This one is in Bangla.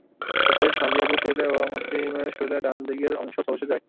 এতে সাদিয়ার পুরো শরীর এবং অসীমের শরীরের ডান দিকের অংশ ঝলসে যায়।